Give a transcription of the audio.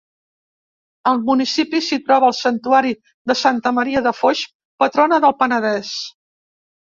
Al municipi s'hi troba el Santuari de Santa Maria de Foix, patrona del Penedès.